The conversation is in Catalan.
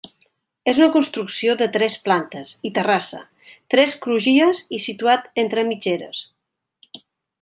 És una construcció de tres plantes i terrassa, tres crugies i situat entre mitgeres.